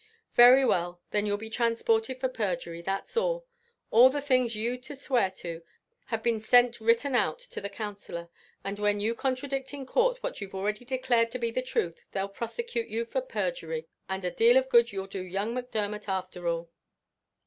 "Very well then you'll be transported for perjury, that's all; all the things you've to swear to have been sent written out to the Counsellor; and when you contradict in court what you have already declared to be the truth they'll prosecute you for perjury, and a deal of good you'll do young Macdermot afther all!"